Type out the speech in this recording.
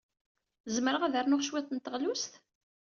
Zemreɣ ad rnuɣ cwiṭ n teɣlust?